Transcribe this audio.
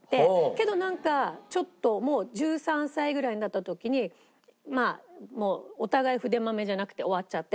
けどなんかちょっともう１３歳ぐらいになった時にもうお互い筆まめじゃなくて終わっちゃって。